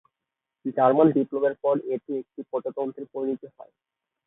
German বিপ্লবের পর এটি একটি প্রজাতন্ত্রে পরিণত হয়।